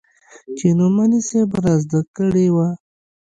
چې نعماني صاحب رازده کړې وه.